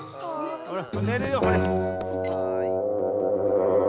ほらねるよほれ。